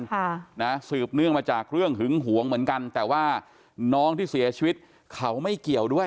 ค่ะนะสืบเนื่องมาจากเรื่องหึงหวงเหมือนกันแต่ว่าน้องที่เสียชีวิตเขาไม่เกี่ยวด้วย